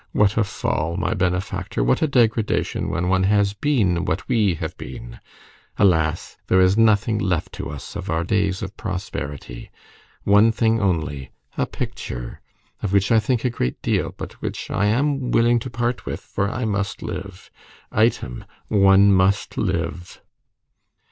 What a fall, my benefactor! What a degradation, when one has been what we have been! Alas! There is nothing left to us of our days of prosperity! One thing only, a picture, of which I think a great deal, but which I am willing to part with, for I must live! Item, one must live!"